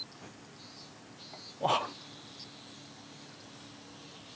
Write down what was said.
あっ。